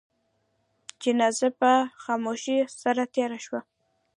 جنازه په خاموشی سره تېره شوه.